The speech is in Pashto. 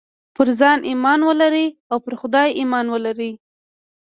پر ځان ايمان ولرئ او پر خدای ايمان ولرئ.